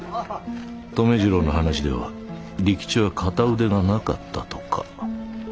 留次郎の話では利吉は片腕がなかったとか。